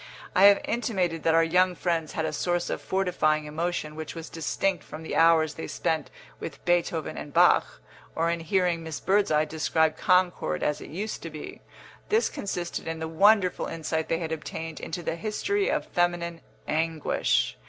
I have intimated that our young friends had a source of fortifying emotion which was distinct from the hours they spent with Beethoven and Bach, or in hearing Miss Birdseye describe Concord as it used to be. This consisted in the wonderful insight they had obtained into the history of feminine anguish.